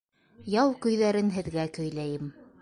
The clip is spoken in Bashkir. Яу көйҙәрен һеҙгә көйләйем;